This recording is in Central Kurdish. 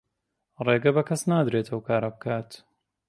ڕێگە بە کەس نادرێت ئەو کارە بکات.